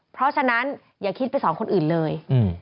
เพราะฉะนั้นอย่าคิดไปสองคนอื่นเลย